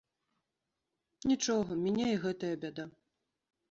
Нічога, міне і гэтая бяда.